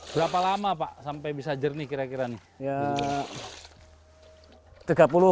berapa lama pak sampai bisa jernih kira kira nih